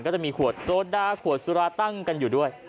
ก็จะมีขวดโซดาขวดสุราตั้งกันอยู่ด้วย